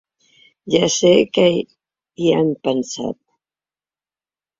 Ja sé que hi han pensat.